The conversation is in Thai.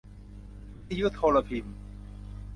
วิทยุโทรพิมพ์